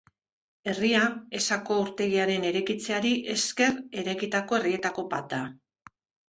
Herria, Esako urtegiaren eraikitzeari esker eraikitako herrietako bat da.